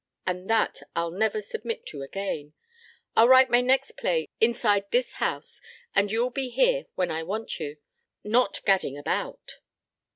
And that I'll never submit to again. I'll write my next play inside this house, and you'll be here when I want you, not gadding about."